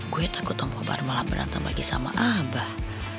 gue takut om kobar malah berantem lagi sama abah